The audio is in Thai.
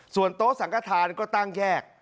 ส่วนโต๊ะสังกฐานก็ตั้งแยก